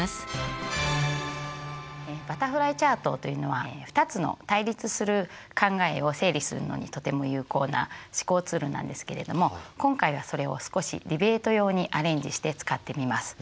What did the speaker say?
バタフライチャートというのは２つの対立する考えを整理するのにとても有効な思考ツールなんですけれども今回はそれを少しディベート用にアレンジして使ってみます。